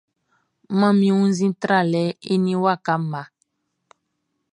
Manmi wunnzin tralɛ eni waka mma.